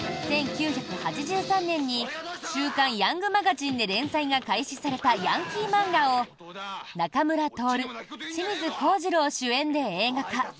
１９８３年に「週刊ヤングマガジン」で連載が開始されたヤンキー漫画を仲村トオル、清水宏次朗主演で映画化。